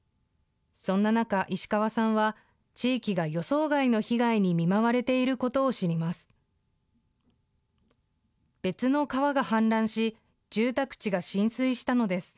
そんな中、石川さんは地域が予想外の被害に見舞われていることを知ります。